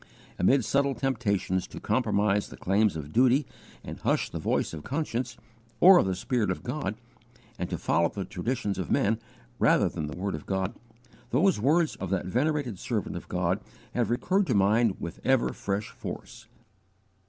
Amid subtle temptations to compromise the claims of duty and hush the voice of conscience, or of the Spirit of God, and to follow the traditions of men rather than the word of God, those words of that venerated servant of God have recurred to mind with ever fresh force.